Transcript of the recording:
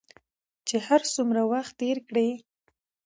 چې هر څومره وخت تېر کړې